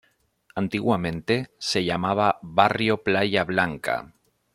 Antiguamente se llamaba barrio Playa Blanca.